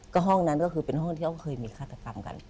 ก็ห้องนั้นก็คือเป็นห้องที่เขาเคยมีฆาตกรรมกัน